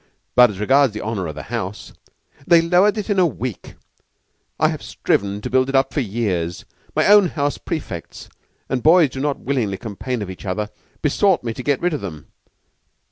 "But, as regards the honor of the house " "They lowered it in a week. I have striven to build it up for years. My own house prefects and boys do not willingly complain of each other besought me to get rid of them.